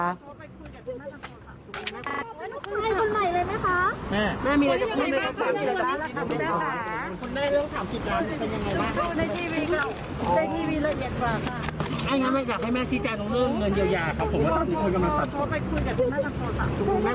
ไอ้สามสิบร้านนี่คือเราตกลงจากเย็บกรอนแล้วจะบอกคุณแม่